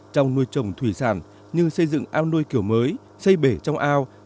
trong nuôi trồng thủy sản như xây dựng ao nuôi kiểu mới xây bể trong ao